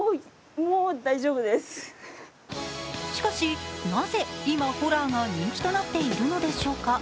しかし、なぜ今、ホラーが人気となっているのでしょうか。